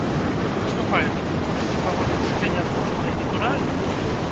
Выступаючы, вы хочаце паводзіць сябе нязмушана і натуральна?